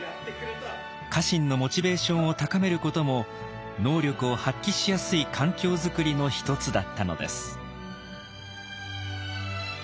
家臣のモチベーションを高めることも能力を発揮しやすい環境作りの一つだったのです。